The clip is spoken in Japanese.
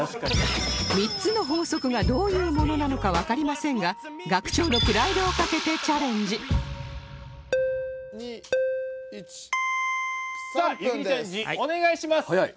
３つの法則がどういうものなのかわかりませんが学長のプライドをかけてチャレンジさあ湯切りチャレンジお願いします。